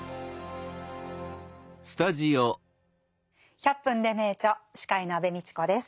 「１００分ｄｅ名著」司会の安部みちこです。